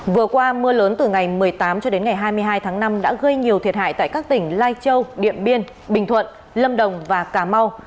vừa qua mưa lớn từ ngày một mươi tám cho đến ngày hai mươi hai tháng năm đã gây nhiều thiệt hại tại các tỉnh lai châu điện biên bình thuận lâm đồng và cà mau